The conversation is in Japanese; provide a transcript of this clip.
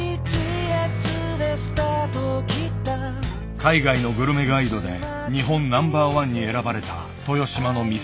海外のグルメガイドで日本ナンバーワンに選ばれた豊島の店。